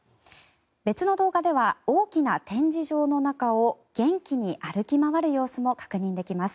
別の動画では大きな展示場の中を元気に歩き回る様子も確認できます。